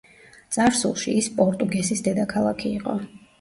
წარსულში ის პორტუგესის დედაქალაქი იყო.